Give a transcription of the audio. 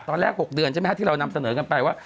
ตอนแรก๖เดือนใช่ไหมครับที่เรานำเสนอกันไปว่า